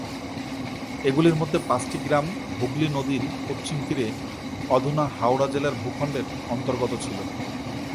এগুলির মধ্যে পাঁচটি গ্রাম হুগলি নদীর পশ্চিম তীরে অধুনা হাওড়া জেলার ভূখণ্ডের অন্তর্গত ছিল।